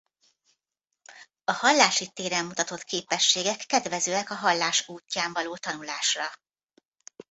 A hallási téren mutatott képességek kedvezőek a hallás útján való tanulásra.